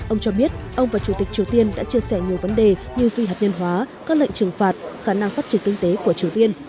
ông cho biết ông và chủ tịch triều tiên đã chia sẻ nhiều vấn đề như phi hạt nhân hóa các lệnh trừng phạt khả năng phát triển kinh tế của triều tiên